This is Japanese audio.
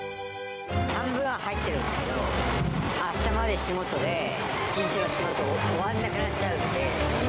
半分は入ってるんですけど、あしたまで仕事で、１日の仕事を、終われなくなっちゃうんで。